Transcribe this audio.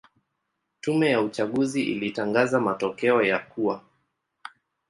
Tume ya uchaguzi ilitangaza matokeo ya kuwa